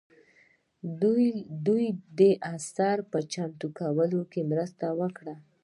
دوی د اثر په چمتو کولو کې مرسته وکړه.